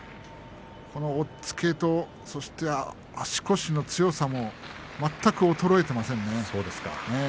押っつけといい、足腰の強さ全く衰えてません。